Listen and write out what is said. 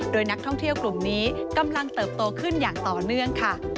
โดยนักท่องเที่ยวกลุ่มนี้กำลังเติบโตขึ้นอย่างต่อเนื่องค่ะ